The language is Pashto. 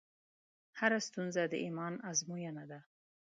هره ستونزه د ایمان ازموینه ده.